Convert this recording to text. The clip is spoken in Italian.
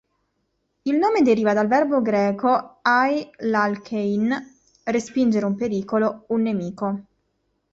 Il nome deriva dal verbo greco "ajlalkei'n", "respingere un pericolo, un nemico".